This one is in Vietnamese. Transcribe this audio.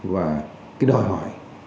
và đòi hỏi